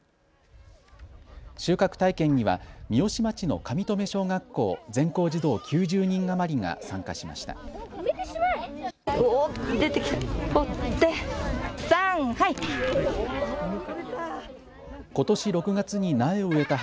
収穫体験には三芳町の上富小学校、全校児童９０人余りが参加しました。